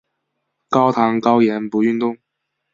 高糖高盐不运动